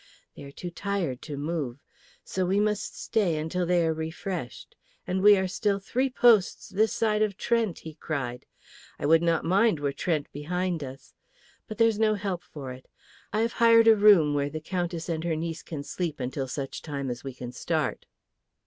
They are too tired to move. So we must stay until they are refreshed. And we are still three posts this side of Trent!" he cried. "I would not mind were Trent behind us. But there's no help for it. I have hired a room where the Countess and her niece can sleep until such time as we can start."